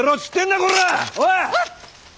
おい！